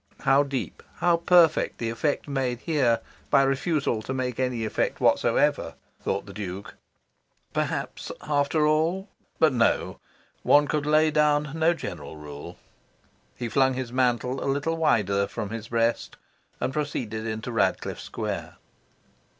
"How deep, how perfect, the effect made here by refusal to make any effect whatsoever!" thought the Duke. Perhaps, after all... but no: one could lay down no general rule. He flung his mantle a little wider from his breast, and proceeded into Radcliffe Square.